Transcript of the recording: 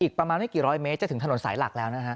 ประมาณไม่กี่ร้อยเมตรจะถึงถนนสายหลักแล้วนะฮะ